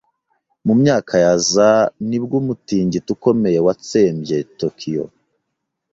Mu myaka ya za ni bwo umutingito ukomeye watsembye Tokiyo.